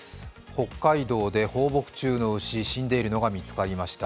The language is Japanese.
北海道で放牧中の牛、死んでいるのが見つかりました。